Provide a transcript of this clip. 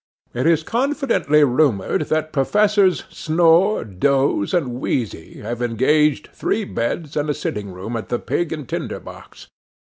It is confidently rumoured that Professors Snore, Doze, and Wheezy have engaged three beds and a sitting room at the Pig and Tinder box.